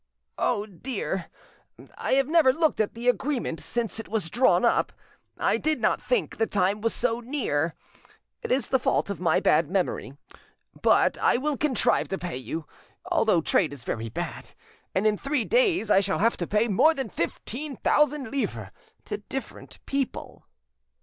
"Oh dear, I have never looked at the agreement since it was drawn up. I did not think the time was so near, it is the fault of my bad memory; but I will contrive to pay you, although trade is very bad, and in three days I shall have to pay more than fifteen thousand livres to different people."